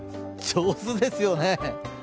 上手ですよね。